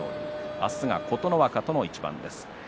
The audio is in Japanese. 明日は琴ノ若との一番です。